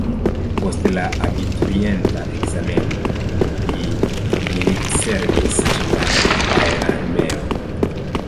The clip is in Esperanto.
Post la abiturienta ekzameno li militservis ĉe la aerarmeo.